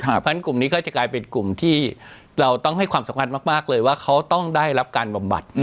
เพราะฉะนั้นกลุ่มนี้ก็จะกลายเป็นกลุ่มที่เราต้องให้ความสำคัญมากเลยว่าเขาต้องได้รับการบำบัด